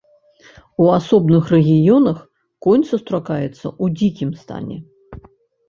У асобных рэгіёнах конь сустракаецца ў дзікім стане.